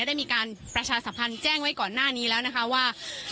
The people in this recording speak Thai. ได้มีการประชาสัมพันธ์แจ้งไว้ก่อนหน้านี้แล้วนะคะว่า